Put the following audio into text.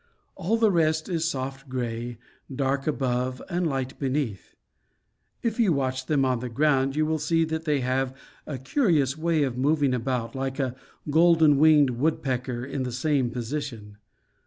All the rest is soft gray, dark above and light beneath. If you watch them on the ground, you will see that they have a curious way of moving about like a golden winged woodpecker in the same position.